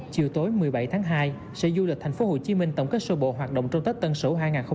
chiều tối một mươi bảy tháng hai sở du lịch thành phố hồ chí minh tổng kết sơ bộ hoạt động trong tết tân sổ hai nghìn hai mươi một